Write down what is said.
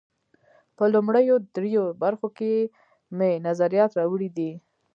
په لومړیو درېیو برخو کې مې نظریات راوړي دي.